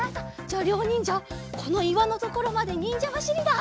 じゃありょうにんじゃこのいわのところまでにんじゃばしりだ！